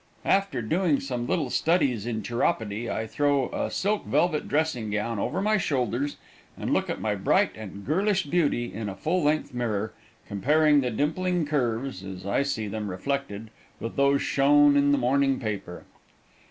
After doing some little studies in chiropody I throw a silk velvet dressing gown over my shoulders and look at my bright and girlish beauty in a full length mirror, comparing the dimpling curves, as I see them reflected, with those shown in the morning paper.